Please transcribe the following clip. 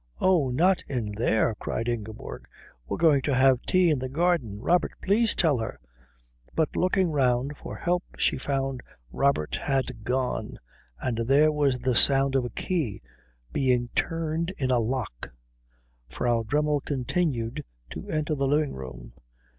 "Oh, not in there!" cried Ingeborg. "We're going to have tea in the garden. Robert, please tell her " But looking round for help she found Robert had gone, and there was the sound of a key being turned in a lock. Frau Dremmel continued to enter the living room.